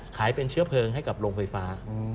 ขายเป็นเชื้อเพลิงให้กับโรงไฟฟ้า